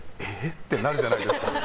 ってなるじゃないですか。